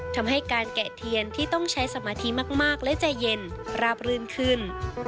ทำให้การแกะเทียนที่ต้องใช้สมาธิมากและใจเย็นราบรื่นขึ้น